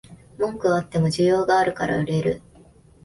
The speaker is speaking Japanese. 文句はあっても需要があるから売れる